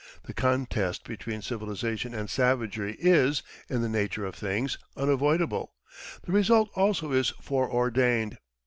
The contest between civilization and savagery is, in the nature of things, unavoidable; the result also is foreordained.